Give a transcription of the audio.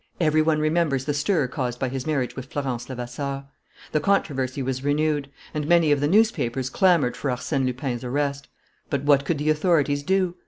Every one remembers the stir caused by his marriage with Florence Levasseur. The controversy was renewed; and many of the newspapers clamoured for Arsène Lupin's arrest. But what could the authorities do?